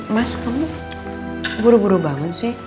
mas kamu buru buru bangun sih